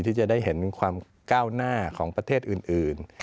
ที่จะได้เห็นความก้าวหน้าของประเทศอื่น